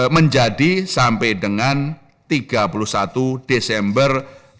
menjadi sampai dengan tiga puluh satu desember dua ribu dua puluh